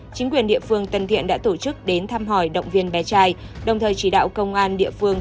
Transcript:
chính quyền địa phương tân thiện đã tổ chức đến thăm hỏi động viên bé trai đồng thời chỉ đạo công an địa phương